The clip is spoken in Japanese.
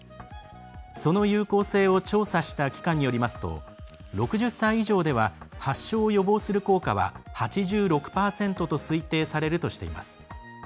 その有効性を調査した機関によりますと６０歳以上では発症を予防する効果は８６％と推定されるとしています。